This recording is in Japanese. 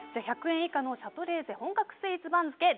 １００円以下のシャトレーゼ本格スイーツ番付。